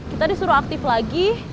kita disuruh aktif lagi